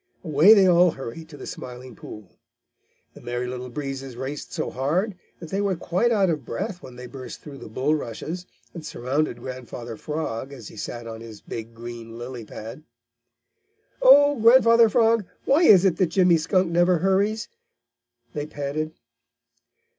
Away they all hurried to the Smiling Pool. The Merry Little Breezes raced so hard that they were quite out of breath when they burst through the bulrushes and surrounded Grandfather Frog, as he sat on his big green lily pad. "Oh, Grandfather Frog, why is it that Jimmy Skunk never hurries?" they panted.